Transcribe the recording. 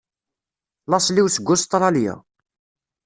Laṣel-iw seg Ustṛalya.